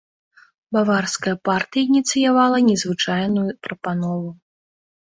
Баварская партыя ініцыявала незвычайную прапанову.